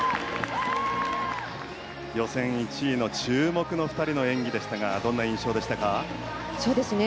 予選１位の注目の２人の演技でしたがどんな印象でしたか？